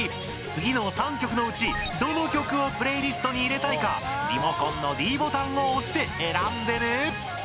次の３曲のうち、どの曲をプレイリストに入れたいかリモコンのｄボタンを押して選んでね！